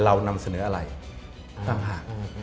เรานำเสนออะไรต่างหาก